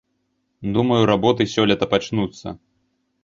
Думаю, работы сёлета пачнуцца.